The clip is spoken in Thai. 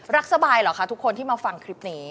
สบายเหรอคะทุกคนที่มาฟังคลิปนี้